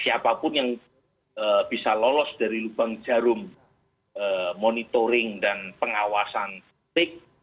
siapapun yang bisa lolos dari lubang jarum monitoring dan pengawasan publik